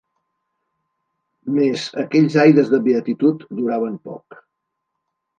Mes, aquells aires de beatitud duraven poc.